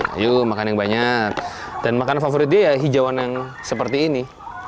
ayo makan yang banyak dan makanan favoritnya hijauan yang seperti ini